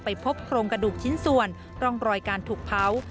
พบโครงกระดูกชิ้นส่วนร่องรอยการถูกเผา